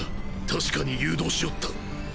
確かに誘導しおった。